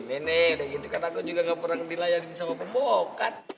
nene udah gitu kan aku juga gak pernah dilayarin sama pembokat